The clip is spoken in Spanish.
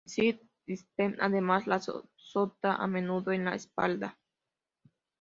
Sir Stephen además, la azota a menudo en la espalda.